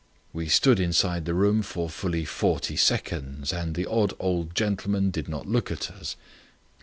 We stood inside the room for fully forty seconds, and the odd old gentleman did not look at us.